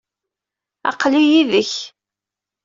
Aql-i yid-k.